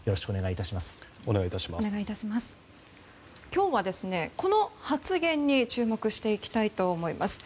今日はこの発言に注目していきたいと思います。